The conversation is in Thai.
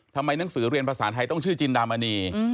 หนังสือเรียนภาษาไทยต้องชื่อจินดามณี